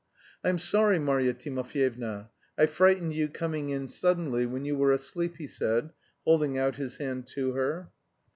"I'm sorry, Marya Timofyevna, I frightened you coming in suddenly when you were asleep," he said, holding out his hand to her.